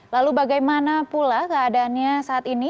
lalu bagaimana pula keadaannya saat ini